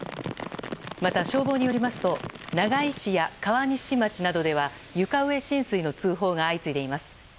また消防によりますと長井市や川西町などでは床上浸水の通報が相次いでいます。